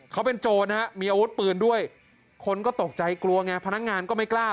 เขาเป็นโจรฮะมีอาวุธปืนด้วยคนก็ตกใจกลัวไงพนักงานก็ไม่กล้า